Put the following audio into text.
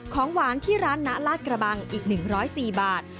ของหวานที่ร้านนะลาดกระบังอีก๑๐๔บาท